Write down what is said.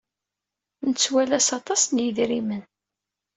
Nettwalas aṭas n yidrimen.